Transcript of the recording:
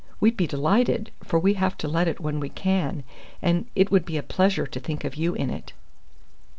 We'd be delighted, for we have to let it when we can, and it would be a pleasure to think of you in it."